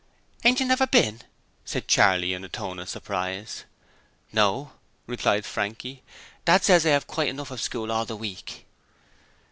'Ain't you never been?' said Charley in a tone of surprise. 'No,' replied Frankie. 'Dad says I have quite enough of school all the week.'